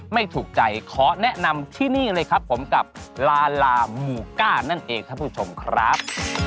ไม่ถูกใจขอแนะนำที่นี่เลยครับผมกับลาลามูก้านั่นเองท่านผู้ชมครับ